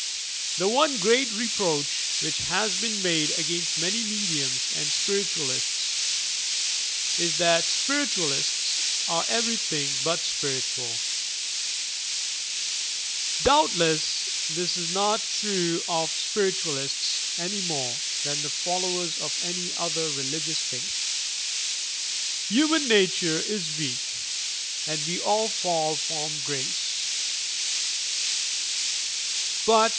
The one great reproach which has been made against many mediums and spiritualists (it must be admitted, with some justice), is that "spiritualists are everything but spiritual!" Doubtless this is not true of spiritualists any more than the followers of any other religious faith. Human nature is weak, and we all fall from grace.